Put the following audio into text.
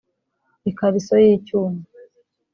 Ikariso y’icyuma